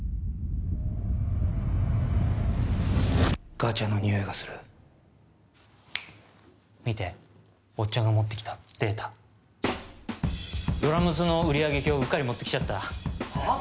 ガチャの匂いがする見ておっちゃんが持ってきたデータ「ドラ娘」の売上表うっかり持ってきちゃったはっ？